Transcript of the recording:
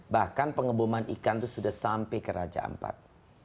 bahkan pengeboman ikan itu sudah sampai ke raja ampat